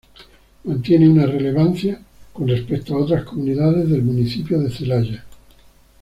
Mantiene una relevancia con respecto a otras comunidades del municipio de Celaya.